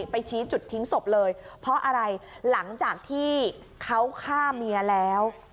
ไปชี้จุดทิ้งศพเลยเพราะอะไรหลังจากที่เขาฆ่าเมียแล้ว